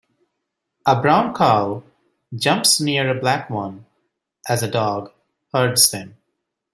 A brown cow jumps near a black one as a dog herds them.